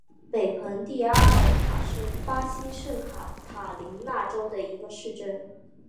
北蓬蒂阿尔塔是巴西圣卡塔琳娜州的一个市镇。